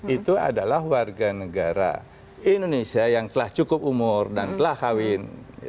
itu adalah warga negara indonesia yang telah cukup umur dan telah kawin